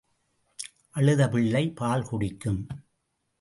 அழுத பிள்ளை பால் குடிக்கும்.